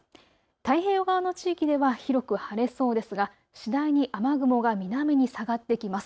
太平洋側の地域では広く晴れそうですが次第に雨雲が南に下がってきます。